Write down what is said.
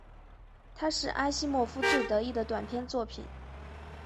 它是阿西莫夫最得意的短篇作品。